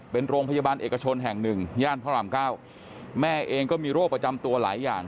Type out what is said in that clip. เป็นโรงพยาบาลเอกชนแห่งหนึ่งย่านพระรามเก้าแม่เองก็มีโรคประจำตัวหลายอย่าง